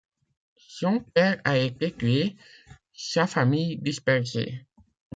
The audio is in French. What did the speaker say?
Son père a été tué, sa famille dispersée.